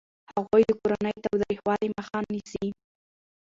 هغوی د کورني تاوتریخوالي مخه نیسي.